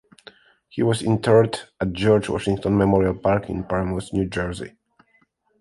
He was interred at George Washington Memorial Park in Paramus, New Jersey.